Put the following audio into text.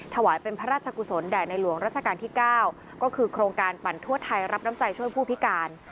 ถวายเป็นพระราชกุศลแด่ในหลวงรัชกาลที่๙ก็คือโครงการปั่นทั่วไทยรับน้ำใจช่วยผู้พิการ